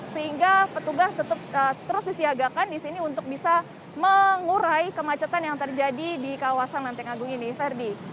sehingga petugas tetap terus disiagakan di sini untuk bisa mengurai kemacetan yang terjadi di kawasan lenteng agung ini ferdi